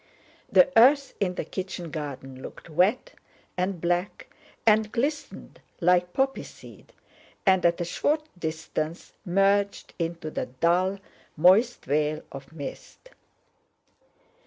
The earth in the kitchen garden looked wet and black and glistened like poppy seed and at a short distance merged into the dull, moist veil of mist.